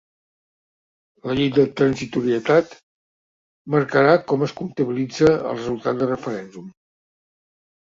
La llei de transitorietat marcarà com es comptabilitza el resultat del referèndum.